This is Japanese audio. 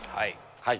はい